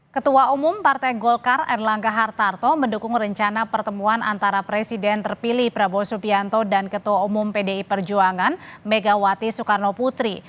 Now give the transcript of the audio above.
ketua umum partai golkar erlangga hartarto mendukung rencana pertemuan antara presiden terpilih prabowo subianto dan ketua umum pdi perjuangan megawati soekarno putri